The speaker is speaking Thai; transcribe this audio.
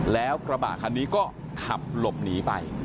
แล้วกระบะคันนี้ก็ขับหลบหนีไป